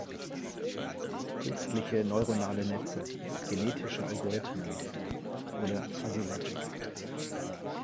Künstliche neuronale Netze, Genetische Algorithmen oder Fuzzy Logic.